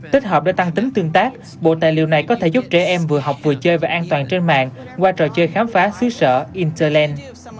tích hợp để tăng tính tương tác bộ tài liệu này có thể giúp trẻ em vừa học vừa chơi và an toàn trên mạng qua trò chơi khám phá xứ sở interland